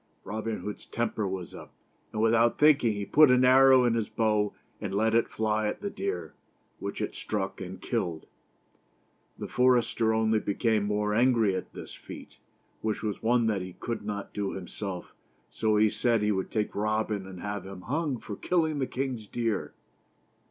Robin Hood's temper was up ; and, without thinking, he put an arrow in his bow and let it fly at the deer, which it struck and killed. The forester only became more angry at this feat, which was one that he could not do himself, so he said he would take Robin and have him hung for killing the king's deer.